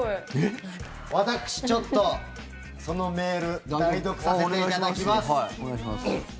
私、ちょっとそのメール代読させていただきます。